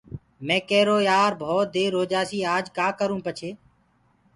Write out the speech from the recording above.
مي ڪيرو يآر ڀوتَ دير هوجآسي آج ڪآ ڪرونٚ پڇي